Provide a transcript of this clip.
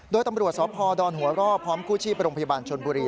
โดยตำรวจสพดอนหัวรอบพร้อมกู้ชีพโรงพยาบาลชนบุรี